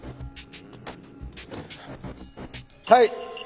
はい！